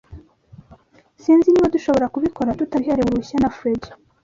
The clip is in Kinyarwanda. Sinzi niba dushobora kubikora tutabiherewe uruhushya na Fredy.